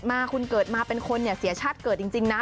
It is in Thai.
ประมาณนั้นน่ะคุณเกิดมาเป็นคนเนี่ยเสียชัดเกิดจริงน่ะ